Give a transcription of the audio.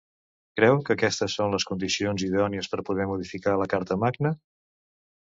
Creu que aquestes són les condicions idònies per poder modificar la carta magna?